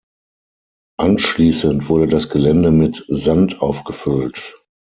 Anschließend wurde das Gelände mit Sand aufgefüllt.